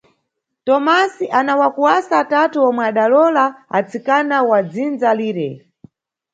Tomasi ana wakuwasa atatu omwe adalowola atsikana wa dzindza lire.